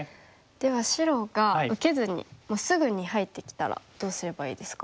では白が受けずにすぐに入ってきたらどうすればいいですか？